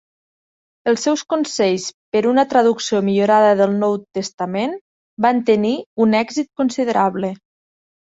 Els seus "Consells per una traducció millorada del Nou Testament" van tenir un èxit considerable.